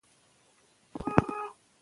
ما مشر ډېر د نزدې نه وليد څو ساعت پۀ ځائې ووم